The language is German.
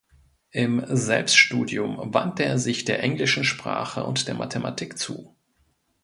Im Selbststudium wandte er sich der englischen Sprache und der Mathematik zu.